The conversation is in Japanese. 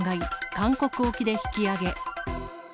韓国沖で引き揚げ。